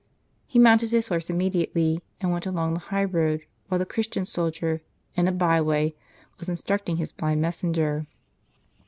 He mounted his horse imme diately, and went along the high road; while the Christian soldier, in a by way, was instructing liis blind messenger.